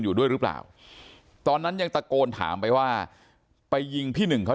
อยู่ด้วยหรือเปล่าตอนนั้นยังตะโกนถามไปว่าไปยิงพี่หนึ่งเขา